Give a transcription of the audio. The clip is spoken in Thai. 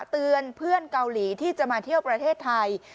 เตือนเพื่อนเกาหลีที่จะมาเที่ยวประเทศไทย